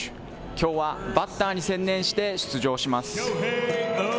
きょうはバッターに専念して出場します。